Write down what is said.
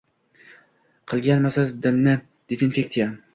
Qilganmisiz dilni dezinfektsiya?!